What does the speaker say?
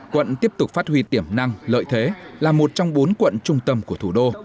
quận tiếp tục phát huy tiềm năng lợi thế là một trong bốn quận trung tâm của thủ đô